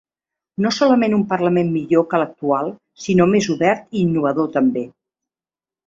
No solament un parlament millor que l’actual, sinó més obert i innovador, també.